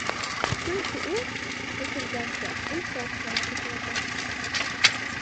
Сөнки ул, әйтелгәнсә, инфляцияны көсәйтә.